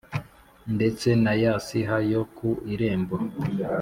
ndetse na ya siha yo ku irembo